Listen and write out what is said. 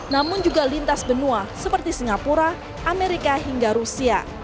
namun juga lintas benua seperti singapura amerika hingga rusia